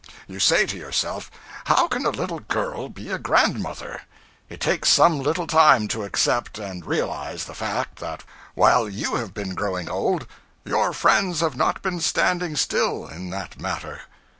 You say to yourself, 'How can a little girl be a grandmother.' It takes some little time to accept and realize the fact that while you have been growing old, your friends have not been standing still, in that matter.